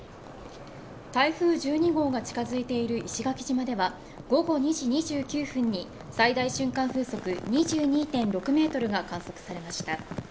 台風１２号が近づいている石垣島では午後２時２９分に最大瞬間風速２２．６メートルが観測されました。